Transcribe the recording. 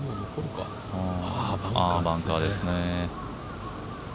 バンカーですね。